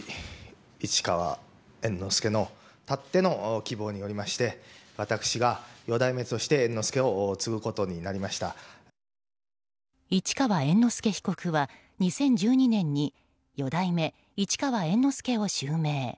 市川猿之助のたっての希望によりまして私が四代目として市川猿之助被告は２０１２年に四代目市川猿之助を襲名。